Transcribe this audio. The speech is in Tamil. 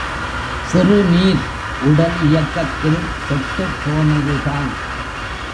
சிறுநீர், உடல் இயக்கத்தில் கெட்டுப் போனதுதான்.